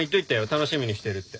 楽しみにしてるって。